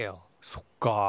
そっか。